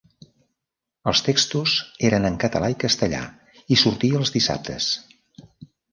Els textos eren en català i castellà i sortia els dissabtes.